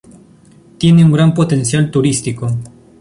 Tiene un gran potencial turístico.